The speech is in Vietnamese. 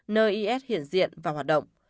nơi is hiện diện và hoạt động